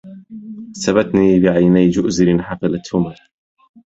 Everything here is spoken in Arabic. سبتني بعيني جؤذر حفلتهما